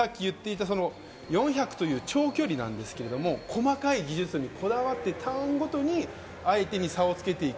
４００という超距離なんですが、細かい技術にこだわってターンごとに相手に差をつけてゆく。